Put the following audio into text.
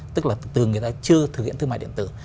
tức là từ người ta chưa thực hiện thương mại điện tử